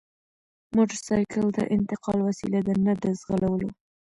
موټرسایکل د انتقال وسیله ده نه د ځغلولو!